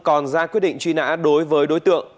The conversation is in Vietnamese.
còn ra quyết định truy nã đối với đối tượng